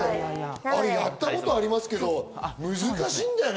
やったことありますけど、難しいんだよね。